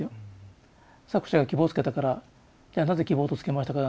作者が「希望」をつけたから「じゃあなぜ『希望』とつけましたか？」